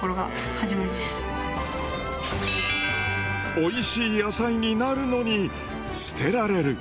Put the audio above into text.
おいしい野菜になるのに捨てられる。